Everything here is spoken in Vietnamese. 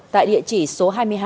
tại địa chỉ số hai mươi hai